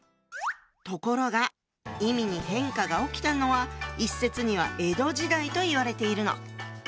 ところが意味に変化が起きたのは一説には江戸時代といわれているの。